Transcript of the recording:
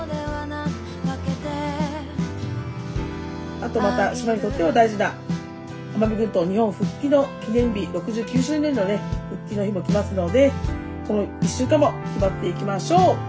あとまた島にとっては大事な奄美群島日本復帰の記念日６９周年のね復帰の日も来ますのでこの１週間も気張っていきましょう。